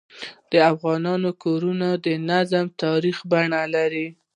د افغانانو کورنۍ نظام تاریخي بڼه لري.